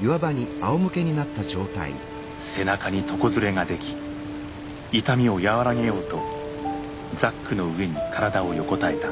背中に床擦れができ痛みを和らげようとザックの上に体を横たえた。